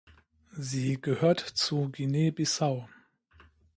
Sie gehört zu Guinea-Bissau.